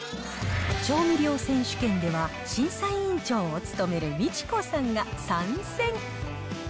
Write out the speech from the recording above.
調味料選手権では、審査委員長を務めるミチコさんが参戦。